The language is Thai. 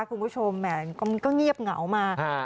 คุณผู้ชมแหม่มันก็เงียบเหงามา